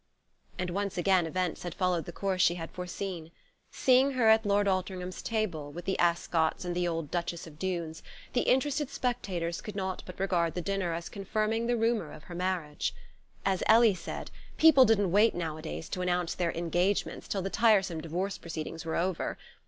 And once again events had followed the course she had foreseen. Seeing her at Lord Altringham's table, with the Ascots and the old Duchess of Dunes, the interested spectators could not but regard the dinner as confirming the rumour of her marriage. As Ellie said, people didn't wait nowadays to announce their "engagements" till the tiresome divorce proceedings were over.